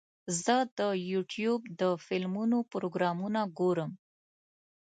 زه د یوټیوب د فلمونو پروګرامونه ګورم.